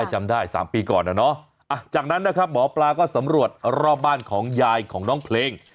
จำได้๓ปีก่อนนะจากนั้นนะครับหมอปลาก็สำรวจรอบบ้านของยายของน้องเพลง